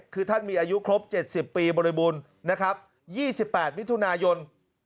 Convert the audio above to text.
คือท่านมีอายุครบ๗๐ปีบริบุล๒๘วิทุนายน